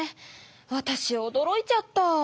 わたしおどろいちゃった。